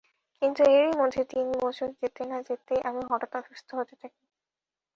কিন্তু এরই মধ্যে তিন বছর যেতে না-যেতেই আমি হঠাৎ অসুস্থ হতে থাকি।